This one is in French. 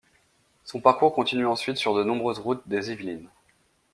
Son parcours continue ensuite sur de nombreuses routes des Yvelines.